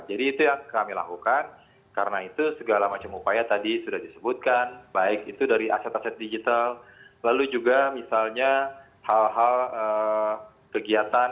jadi itu yang kami lakukan karena itu segala macam upaya tadi sudah disebutkan baik itu dari aset aset digital lalu juga misalnya hal hal kegiatan